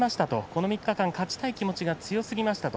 この３日間、勝ちたい気持ちが強すぎました。